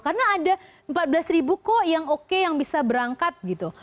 karena ada empat belas ribu kok yang oke yang bisa berangkat gitu